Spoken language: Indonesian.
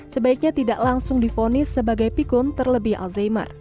sebaiknya tidak langsung difonis sebagai pikun terlebih alzheimer